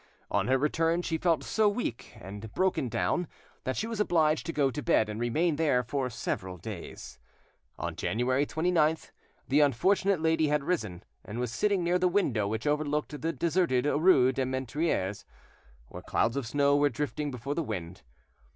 On her return she felt so weak and broken down that she was obliged to go to bed and remain there for several days. On January 29th the unfortunate lady had risen, and was sitting near the window which overlooked the deserted rue des Menetriers, where clouds of snow were drifting before the wind.